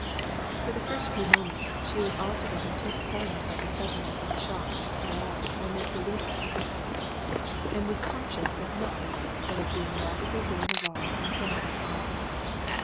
For the first few moments, she was altogether too stunned by the suddenness of the shock to cry out or make the least resistance, and was conscious of nothing but of being rapidly borne along in somebody's arms.